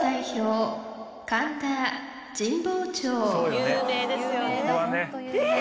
有名ですよね。